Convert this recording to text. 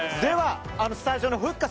スタジオのふっか